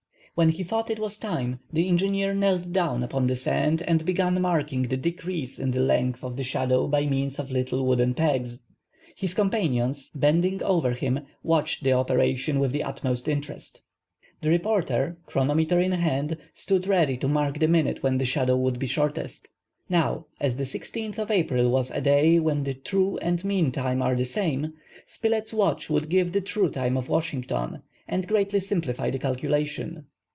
When he thought it was time, the engineer knelt down upon the sand and began marking the decrease in the length of the shadow by means of little wooden pegs. His companions, bending over him, watched the operation with the utmost interest. The reporter, chronometer in hand, stood ready to mark the minute when the shadow would be shortest. Now, as this 16th of April was a day when the true and mean time are the same, Spilett's watch would give the true time of Washington, and greatly simplify the calculation.